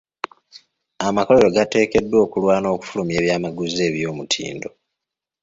Amakolerero gateekeddwa okulwana okufulumya ebyamaguzi eby'omutindo.